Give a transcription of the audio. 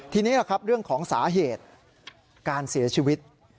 ทีนี้เรื่องของสาเหตุการเสียชีวิต